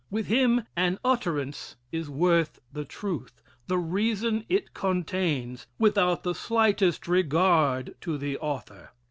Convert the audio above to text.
With him an utterance is worth the truth, the reason it contains, without the slightest regard to the author.